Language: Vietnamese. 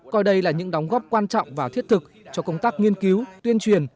coi đây là những đóng góp quan trọng và thiết thực cho công tác nghiên cứu tuyên truyền